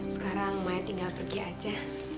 sekarang maya tinggal pergi aja